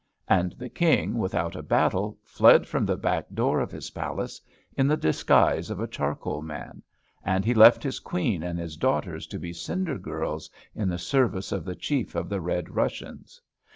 And the King, without a battle, fled from the back door of his palace, in the disguise of a charcoal man; and he left his queen and his daughters to be cinder girls in the service of the Chief of the Red Russians.